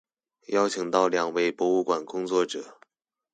邀請到兩位博物館工作者